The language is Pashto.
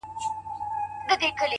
هوډ د ستونزو تر شا رڼا ویني’